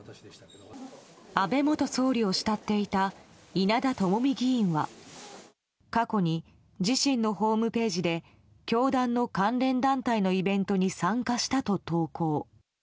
安倍元総理を慕っていた稲田朋美議員は過去に自身のホームページで教団の関連団体のイベントに参加したと投稿。